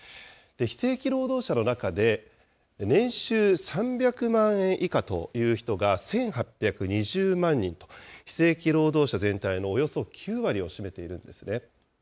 非正規労働者の中で、年収３００万円以下という人が１８２０万人と、非正規労働者全体のおよそ９割を占めているんですね。